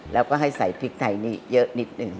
แล้วก็ให้ใส่พริกไทยนี่เยอะนิดนึง